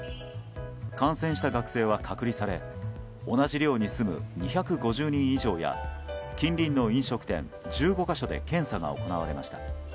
感染した学生は隔離され同じ寮に住む２５０人以上や近隣の飲食店１５か所で検査が行われました。